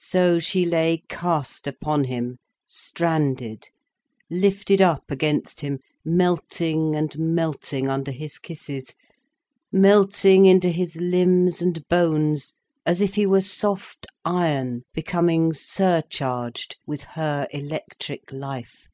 So she lay cast upon him, stranded, lifted up against him, melting and melting under his kisses, melting into his limbs and bones, as if he were soft iron becoming surcharged with her electric life.